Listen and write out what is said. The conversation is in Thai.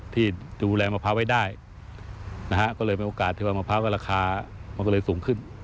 ที่ดูแลมะพร้าวไว้ได้ก็เลยเป็นโอกาสที่มะพร้าวราคาสูงขึ้น